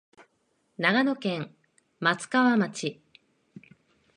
長野県松川町